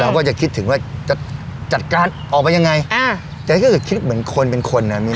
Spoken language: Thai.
ก็จะคิดถึงว่าจะจัดการออกมายังไงอ่าแกก็คิดเหมือนคนเป็นคนอ่ะมิ้น